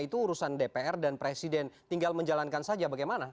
itu urusan dpr dan presiden tinggal menjalankan saja bagaimana